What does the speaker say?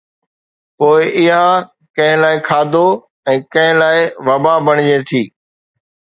پوءِ اها ڪنهن لاءِ کاڌو ۽ ڪنهن لاءِ وبا بڻجي ٿي.